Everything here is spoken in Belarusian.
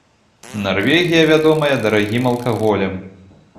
Нарвегія вядомая дарагім алкаголем.